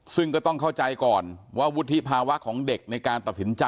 ซึ่งก็ต้องเข้าใจก่อนว่าวุฒิภาวะของเด็กในการตัดสินใจ